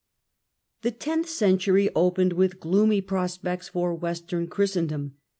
The tenth century opened with gloomy prospects for Western Christendom.